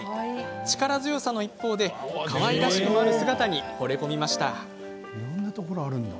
力強さの一方でかわいらしくもある姿にほれ込みました。